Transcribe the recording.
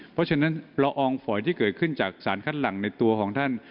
เพราะฉะนั้นละอองฝอยที่เกิดขึ้นจากสารคัดหลังในตัวของท่าน